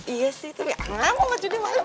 iya sih tapi aku mah jadi malu